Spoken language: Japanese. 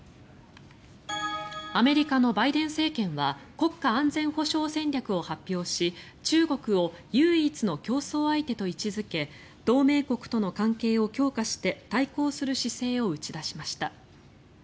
アメリカのバイデン政権は国家安全保障戦略を発表し中国を唯一の競争相手と位置付け同盟国との関係を強化して対抗する姿勢を打ち出しました。